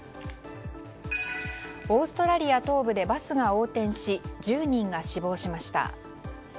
オーストラリア東部でバスが横転し１０人が死亡しました。